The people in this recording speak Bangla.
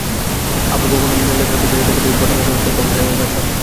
আবার কখন লেটার প্রেসে ছাপা দেখব, ঘটাং ঘটাং শব্দে পাব স্বাধীনতার স্বাদ।